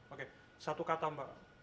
oke satu kata mbak